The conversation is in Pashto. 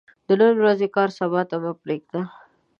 د نن ورځې کار سبا ته مه پريږده